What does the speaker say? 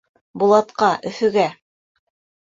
Булатҡа, Өфөгә.